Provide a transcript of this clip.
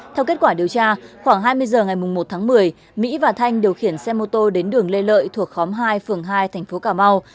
theo kết quả điều tra khoảng hai mươi h ngày một tháng một mươi mỹ và thanh điều khiển xe mô tô đến đường lê lợi thuộc khóm hai phường hai thành phố cà mau